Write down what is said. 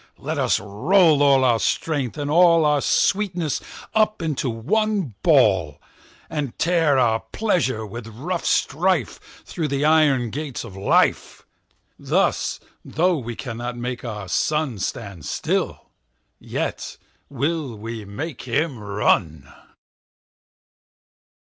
Let us roll all our Strength, and allOur sweetness, up into one Ball:And tear our Pleasures with rough strife, Thorough the Iron gates of Life.Thus, though we cannot make our SunStand still, yet we will make him run.